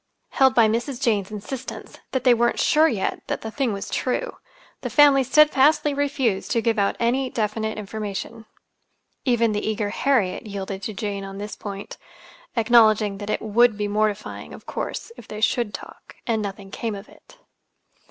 Held by Mrs. Jane's insistence that they weren't sure yet that the thing was true, the family steadfastly refused to give out any definite information. Even the eager Harriet yielded to Jane on this point, acknowledging that it would be mortifying, of course, if they should talk, and nothing came of it.